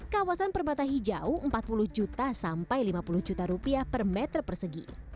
kawasan permata hijau rp empat puluh rp lima puluh per meter persegi